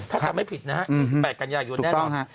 ถ้าทำให้ผิดย๒๘กัญญายนแน่นอน